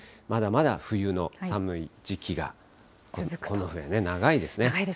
まだまだ冬の寒い時期が、この冬は長いですね。